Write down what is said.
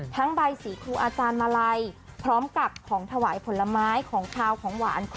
ใบสีครูอาจารย์มาลัยพร้อมกับของถวายผลไม้ของขาวของหวาน